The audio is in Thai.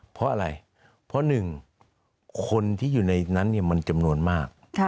เพราะอะไรเพราะหนึ่งคนที่อยู่ในนั้นมันจำนวนมาก